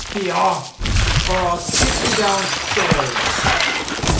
Be off, or I'll kick you down stairs.